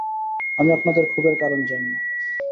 আমি আপনাদের ক্ষোভের কারণ জানি।